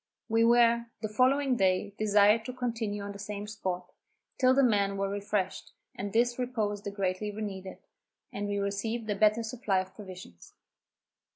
We were, the following day, desired to continue on the same spot, till the men were refreshed, and this repose they greatly needed, and we received a better supply of provisions.